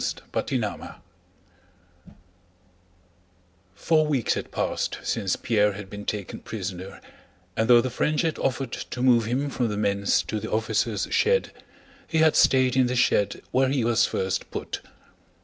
CHAPTER XII Four weeks had passed since Pierre had been taken prisoner and though the French had offered to move him from the men's to the officers' shed, he had stayed in the shed where he was first put.